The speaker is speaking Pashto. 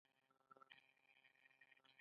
اوس د سېلاب وظیفه څه ده.